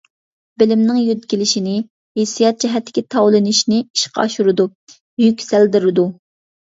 بىلىمنىڭ يۆتكىلىشىنى، ھېسسىيات جەھەتتىكى تاۋلىنىشىنى ئىشقا ئاشۇرىدۇ، يۈكسەلدۈرىدۇ.